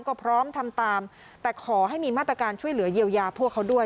ก็พร้อมทำตามแต่ขอให้มีมาตรการช่วยเหลือเยียวยาพวกเขาด้วย